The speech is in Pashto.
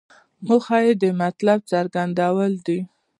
موخه یې د مطلب څرګندول دي.